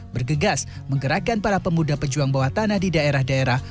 bergegas menggerakkan para pemuda pejuang bawah tanah di daerah daerah